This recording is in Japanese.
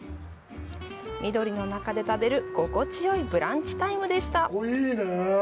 緑の中で食べる心地よいブランチタイムでした！